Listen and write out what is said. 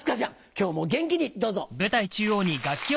今日も元気にどうぞ！